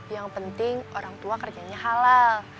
yang penting orang tua kerjanya halal